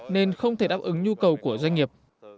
nên không thể đáp ứng nhu cầu của doanh nghiệp